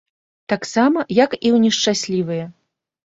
Таксама, як і ў нешчаслівыя.